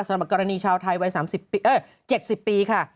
สำหรับกรณีชาวไทยวัย๗๐ปีค่ะ